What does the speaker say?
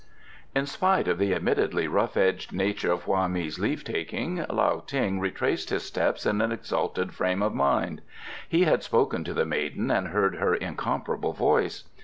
In spite of the admittedly rough edged nature of Hoa mi's leave taking, Lao Ting retraced his steps in an exalted frame of mind. He had spoken to the maiden and heard her incomparable voice.